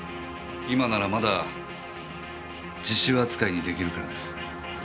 今ならまだ自首扱いにできるからです。